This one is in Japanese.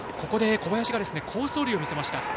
ここで小林が好走塁を見せました。